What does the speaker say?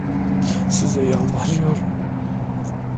Size yalvarıyorum!